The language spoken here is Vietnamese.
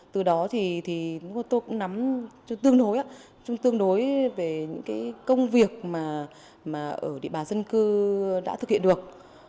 từ đó thì tôi cũng nắm tương đối á tương đối về những cái công việc mà ở địa bàn dân cư đã thực hiện được